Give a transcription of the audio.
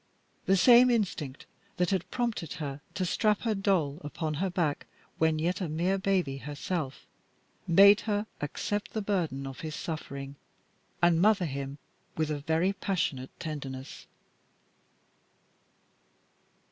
The same instinct that had prompted her to strap her doll upon her back when yet a mere baby herself, made her accept the burden of his suffering, and mother him with a very passion of tenderness.